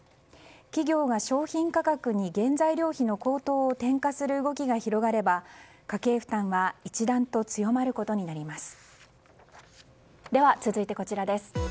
企業が商品価格に原材料費の高騰を転化する動きが広がれば家計負担は一段と強まることになります。